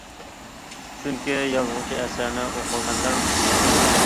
چۈنكى، يازغۇچى ئەسەرنى ئوقۇرمەنلەر ئۈچۈن يازىدۇ.